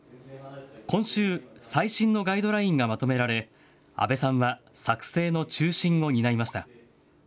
今週、最新のガイドラインがまとめられ阿部さんは作成の中心を担いました。